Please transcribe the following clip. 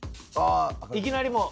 いきなりもう。